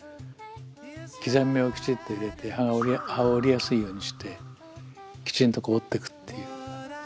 刻み目をきちっと入れて葉を折りやすいようにしてきちんと折っていくっていう。